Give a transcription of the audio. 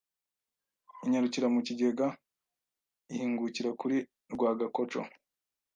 Inyarukira mu kigega, ihingukira kuri rwagakoco